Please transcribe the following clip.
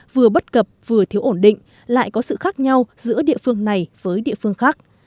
vừa bất cập vừa thiếu ổn định lại có sự khác nhau giữa địa phương này với địa phương khác